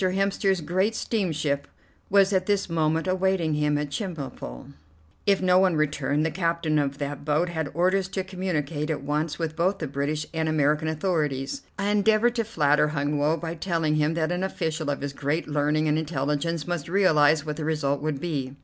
Hemster's great steamship was at this moment awaiting him at Chemulpo. If no one returned, the captain of that boat had orders to communicate at once with both the British and the American authorities. I endeavored to flatter Hun Woe by telling him that an official of his great learning and intelligence must realize what the result would be.